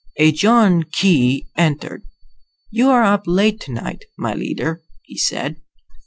Ejon Khee entered. "You are up late tonight, my leader," he said.